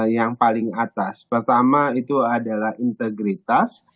yang paling atas pertama itu adalah integritas